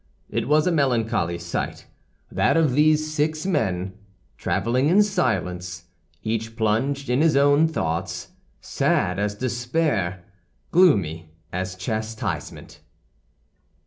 It was a melancholy sight—that of these six men, traveling in silence, each plunged in his own thoughts, sad as despair, gloomy as chastisement.